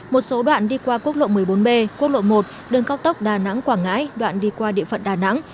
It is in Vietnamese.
một số đoạn đi qua quốc lộ một mươi bốn b quốc lộ một đường cao tốc đà nẵng quảng ngãi đoạn đi qua địa phận đà nẵng